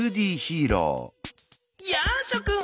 やあしょくん！